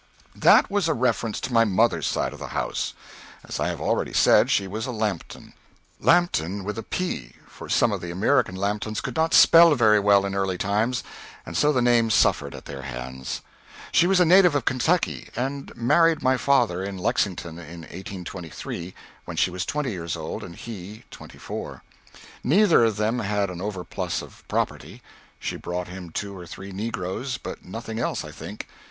That was a reference to my mother's side of the house. As I have already said, she was a Lambton Lambton with a p, for some of the American Lamptons could not spell very well in early times, and so the name suffered at their hands. She was a native of Kentucky, and married my father in Lexington in 1823, when she was twenty years old and he twenty four. Neither of them had an overplus of property. She brought him two or three negroes, but nothing else, I think.